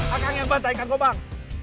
akang yang bantai kan kobang